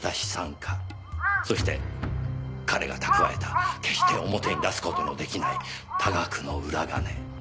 そして彼が貯えた決して表に出す事の出来ない多額の裏金。